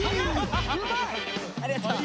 ありがとう。